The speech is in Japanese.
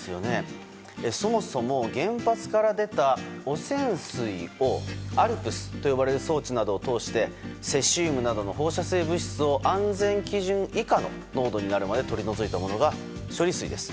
そもそも原発から出た汚染水をＡＬＰＳと呼ばれる装置などを通してセシウムなどの放射性物質を安全基準以下の濃度になるまで取り除いたものが処理水です。